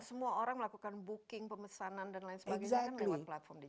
semua orang melakukan booking pemesanan dan lain sebagainya kan lewat platform digital